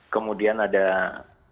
kemudian saya juga melakukan review